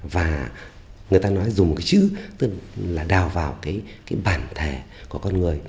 và người ta nói dùng cái chữ tức là đào vào cái bản thể của con người